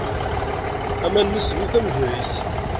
Aman-nni semmḍit am wegris.